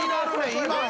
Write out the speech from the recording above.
今の！